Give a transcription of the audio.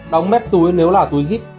đóng mép túi nếu là túi dít